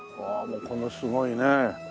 ああこのすごいね。